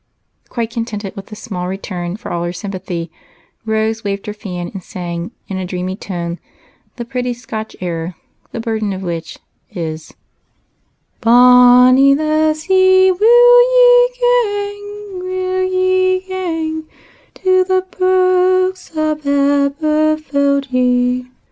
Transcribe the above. Quite contented with this small return for all her sympathy, Rose waved her fan and sang, in a dreamy tone, the pretty Scotch air, the burden of which is, —" Bonny lassie, will ye gang;, will ye gang To the Birks of Aberfeldie